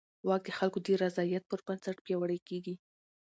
واک د خلکو د رضایت پر بنسټ پیاوړی کېږي.